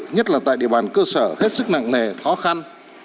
nhất là tại địa bàn cơ sở hết sức nặng nề khó khăn